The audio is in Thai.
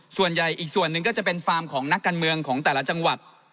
ส่วนใหญ่อีกส่วนหนึ่งก็จะเป็นฟาร์มของนักการเมืองของแต่ละจังหวัด